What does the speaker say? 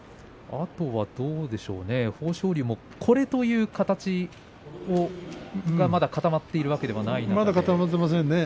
あとはどうでしょうか豊昇龍もこれという形がまだ固まっているわけではないですね。